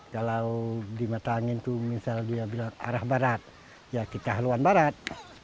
kalau di mata angin itu misal dia bilang arah barat ya kita haluan barat